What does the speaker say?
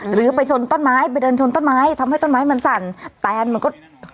หรือไปชนต้นไม้ไปเดินชนต้นไม้ทำให้ต้นไม้มันสั่นแตนมันก็